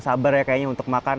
sabar ya kayaknya untuk makan